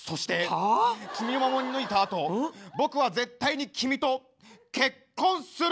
はあ⁉君守り抜いたあと僕は絶対に君と結婚するんだ！